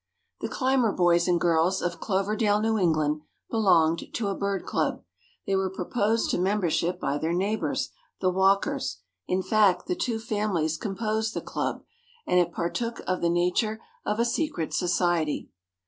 The Clymer boys and girls, of Cloverdale, New England, belonged to a Bird Club; they were proposed to membership by their neighbors, the Walkers; in fact, the two families composed the club, and it partook of the nature of a secret society.